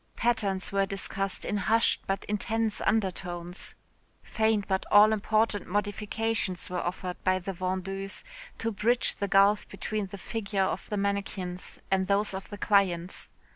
Patterns were discussed in hushed but intense undertones, faint but all important modifications were offered by the vendeuse to bridge the gulf between the figures of the mannequins and those of the clients.